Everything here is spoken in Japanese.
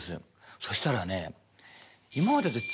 そしたらね。